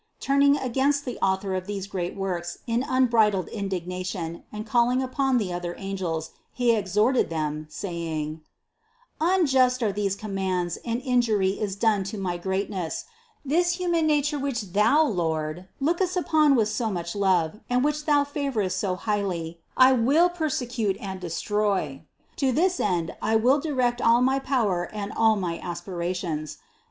Turning against the Author of these great wonders in unbridled indignation and calling upon the other angels, he exhorted them, saying: "Unjust are these commands and injury is done to my greatness; this human nature which Thou, Lord, lookest upon with so much love and which thou favor est so highly, I will persecute and destroy. To this end I will direct all my power and all my aspirations.